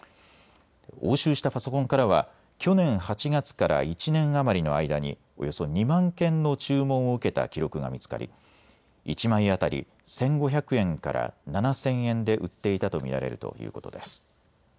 押収したパソコンからは去年８月から１年余りの間におよそ２万件の注文を受けた記録が見つかり１枚当たり１５００円から７０００円で売っていたと見られるということです。